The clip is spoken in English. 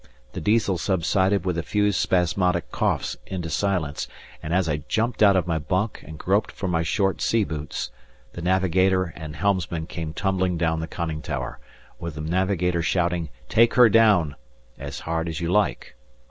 The Diesel subsided with a few spasmodic coughs into silence, and as I jumped out of my bunk and groped for my short sea boots, the navigator and helmsman came tumbling down the conning tower, with the navigator shouting, "Take her down," as hard as you like.